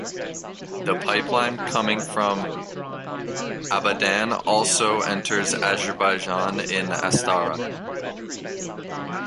The pipeline coming from Abadan also enters Azerbaijan in Astara.